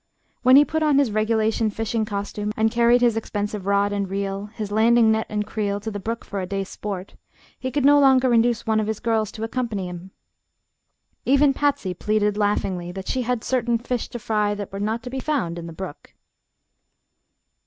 When he put on his regulation fishing costume and carried his expensive rod and reel, his landing net and creel to the brook for a day's sport, he could no longer induce one of his girls to accompany him. Even Patsy pleaded laughingly that she had certain "fish to fry" that were not to be found in the brook.